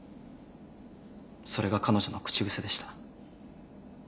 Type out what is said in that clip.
それが彼女の口癖でした。